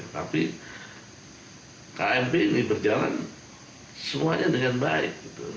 tapi kmp ini berjalan semuanya dengan baik